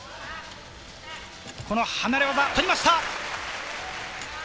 離れ技、取りました。